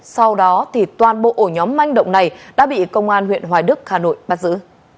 sau đó toàn bộ ổ nhóm manh động này đã bị công an huyện hoài đức hà nội bắt giữ